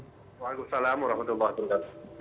waalaikumsalam warahmatullahi wabarakatuh